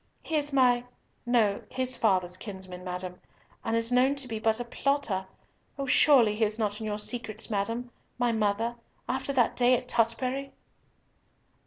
"He is my—no—his father's kinsman, madam, and is known to be but a plotter. Oh, surely, he is not in your secrets, madam, my mother, after that day at Tutbury?"